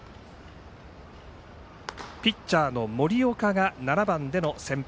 ピッチャーの森岡が７番での先発。